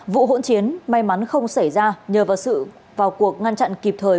vụ hỗn chiến may mắn không xảy ra nhờ vào sự vào cuộc ngăn chặn kịp thời